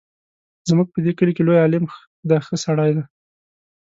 زموږ په دې کلي کې لوی عالم دی ښه سړی دی.